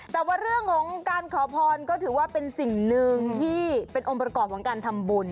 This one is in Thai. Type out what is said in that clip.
แต่ว่าเรื่องของการขอพรก็ถือว่าเป็นสิ่งหนึ่งที่เป็นองค์ประกอบของการทำบุญ